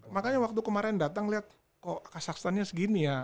makanya waktu kemarin datang lihat kok kasakstannya segini ya